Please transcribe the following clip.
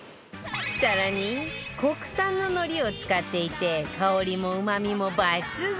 更に国産の海苔を使っていて香りも、うまみも抜群！